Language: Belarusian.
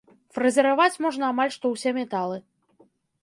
Фрэзераваць можна амаль што ўсе металы.